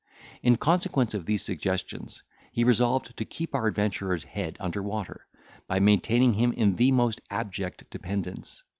In consequence of these suggestions, he resolved to keep our adventurer's head under water, by maintaining him in the most abject dependence.